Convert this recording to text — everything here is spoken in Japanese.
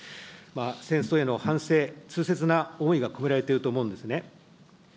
戦争への反省、痛切な思いが込められていると思うんですね。